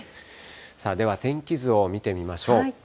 さあでは、天気図を見てみましょう。